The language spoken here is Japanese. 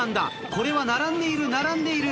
これは並んでいる並んでいる。